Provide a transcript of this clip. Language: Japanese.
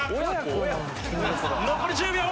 残り１０秒。